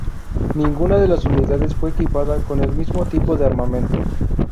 Ninguna de las unidades fue equipada con el mismo tipo de armamento.